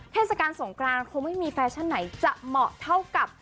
เทศกาลสงกรานคงไม่มีแฟชั่นไหนจะเหมาะเท่ากับ